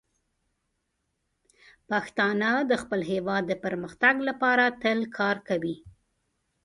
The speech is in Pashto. پښتانه د خپل هیواد د پرمختګ لپاره تل کار کوي.